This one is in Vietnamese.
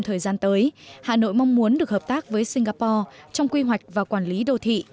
thời gian tới hà nội mong muốn được hợp tác với singapore trong quy hoạch và quản lý đô thị